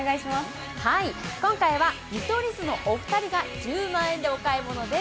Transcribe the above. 今回は見取り図のお二人が１０万円でお買い物です。